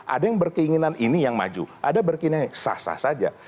ada yang berkeinginan ini yang maju ada yang berkeinginan sah sah saja